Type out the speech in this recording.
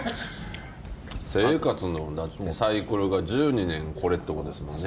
生活のサイクルが１２年これってことですもんね。